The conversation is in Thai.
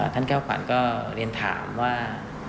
ท่านแก้วขวานก็เรียนถามว่า